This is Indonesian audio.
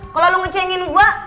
kalau lu nge cengin gua